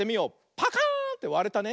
パカーンってわれたね。